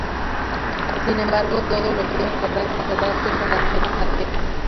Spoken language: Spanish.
Sin embargo todos los viajes deben "cerrarse" con la misma tarjeta.